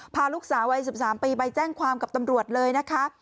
พาลูกสาววัย๑๓ปีไปแจ้งความกับตำรวจเลยนะคะ